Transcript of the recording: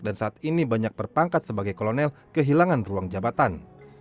dan saat ini banyak berpangkat sebagai kolonel kehilangan ruang jabatan